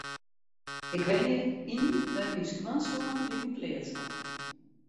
Ik wenje yn by my skoansoan dy't in pleats hat.